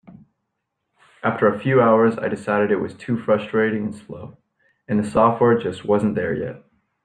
After a few hours I decided it was too frustrating and slow, and the software just wasn't there yet.